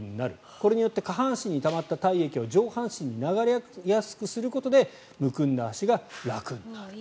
これによって下半身にたまった体液を上半身に流れやすくすることでむくんだ足が楽になる。